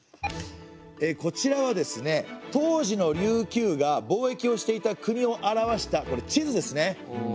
こちらはですね当時の琉球が貿易をしていた国を表した地図ですね。